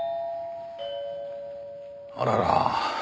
あらら。